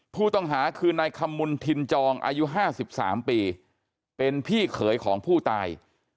ผู้ต้องหาคือนายขมุนทินจองอายุ๕๓ปีเป็นพี่เขยของผู้ตาย